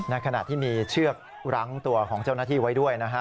ในขณะที่มีเชือกรั้งตัวของเจ้าหน้าที่ไว้ด้วยนะฮะ